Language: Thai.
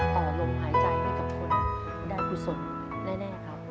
ต่อลงหายใจมากับคุณได้ผู้สมแน่ครับ